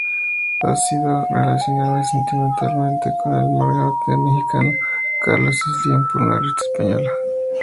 Ha sido relacionada sentimentalmente con el magnate mexicano Carlos Slim por una revista española.